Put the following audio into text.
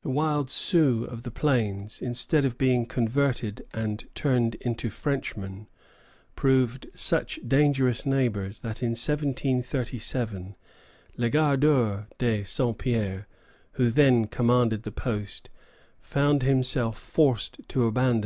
The wild Sioux of the plains, instead of being converted and turned into Frenchmen, proved such dangerous neighbors that in 1737 Legardeur de Saint Pierre, who then commanded the post, found himself forced to abandon it.